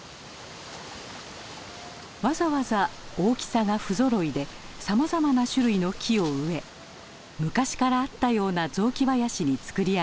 わざわざ大きさが不ぞろいでさまざまな種類の木を植え昔からあったような雑木林につくり上げました。